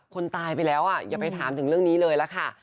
คนตายไปแล้วอย่าไปถามถึงเรื่องนี้เลยล่ะค่ะ